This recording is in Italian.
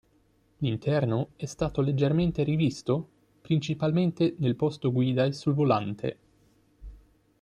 L'interno è stato leggermente rivisto, principalmente nel posto guida e sul volante.